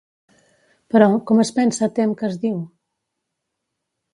Però, com es pensa Tem que es diu?